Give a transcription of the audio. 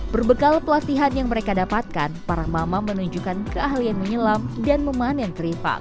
berbekal pelatihan yang mereka dapatkan para mama menunjukkan keahlian menyelam dan memanen teripang